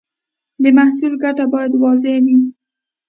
د محصول ګټه باید واضح وي.